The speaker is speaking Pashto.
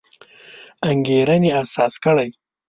انګېرنې اساس کړی.